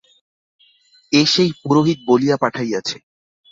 এ সেই পুরোহিত বলিয়া পাঠাইয়াছে।